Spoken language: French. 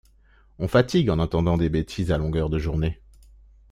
On fatigue en entendant des bêtises à longueur de journée.